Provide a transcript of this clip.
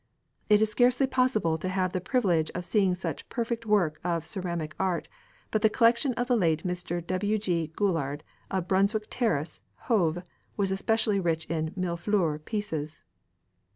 It is scarcely possible to have the privilege of seeing such perfect work of Ceramic art, but the collection of the late Mr. W. G. Gulland, of Brunswick Terrace, Hove, was especially rich in "mille fleurs" pieces.